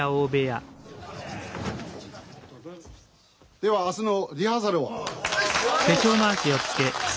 では明日のリハーサルを。